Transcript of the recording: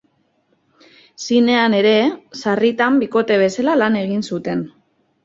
Zinean ere, sarritan bikote bezala lan egin zuten.